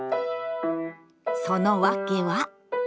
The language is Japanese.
その訳は。